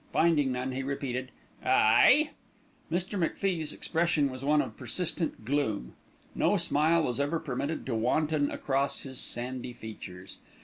Finding none, he repeated "Aye!" Mr. MacFie's expression was one of persistent gloom. No smile was ever permitted to wanton across his sandy features.